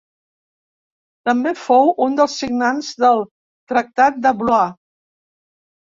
També fou un dels signants del Tractat de Blois.